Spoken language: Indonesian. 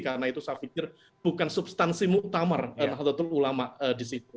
karena itu saya pikir bukan substansi mu'tamar nahdlatul ulama di situ